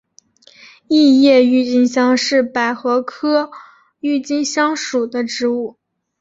异叶郁金香是百合科郁金香属的植物。